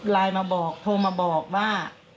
ไลน์มาบอกโทรมาบอกว่า